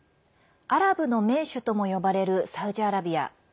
アラブの盟主とも呼ばれるサウジアラビア。